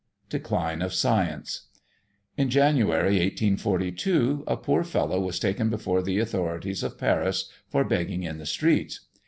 DECLINE OF SCIENCE. In January, 1842, a poor fellow was taken before the authorities of Paris for begging in the streets.